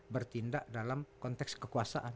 bertindak dalam konteks kekuasaan